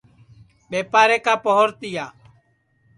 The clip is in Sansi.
ٻیپارے کا پوہر تِیا